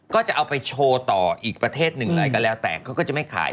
ก็จะเอาไปโชว์ต่ออีกประเทศหนึ่งอะไรก็แล้วแต่เขาก็จะไม่ขาย